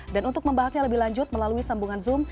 dan untuk membahasnya lebih lanjut melalui sambungan zoom